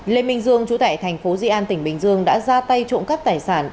lê minh dương chú tại thành phố di an tỉnh bình dương đã ra tay trộm cắp tài sản